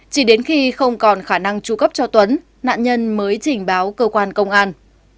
chỉ đến khi không còn khả năng tru cấp cho tuấn nạn nhân mới trình báo cơ quan công an